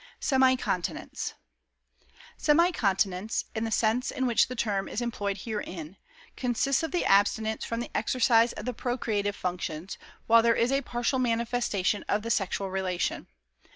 Semi Continence. Semi Continence (in the sense in which the term is employed herein) consists of the abstinence from the exercise of the procreative functions, while there is a partial manifestation of the sexual relation.